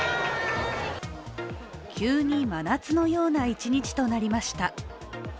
急に真夏のような一日となりました。